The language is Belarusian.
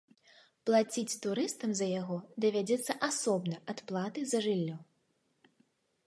Плаціць турыстам за яго давядзецца асобна ад аплаты за жыллё.